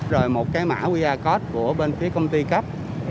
rồi một cái mã qr code của bên phía công ty cấp